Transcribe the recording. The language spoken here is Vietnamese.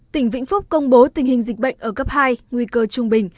tỉnh vĩnh phúc công bố tình hình dịch bệnh ở cấp hai nguy cơ trung bình